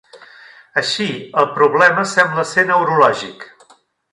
Així, el problema sembla ser neurològic.